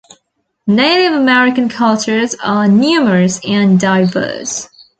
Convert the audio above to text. Native American cultures are numerous and diverse.